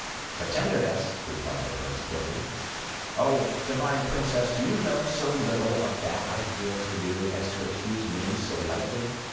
"The tenderness," replied the Prince, quickly; "oh! divine Princess, do you know so little of that I feel for you as to accuse me so lightly.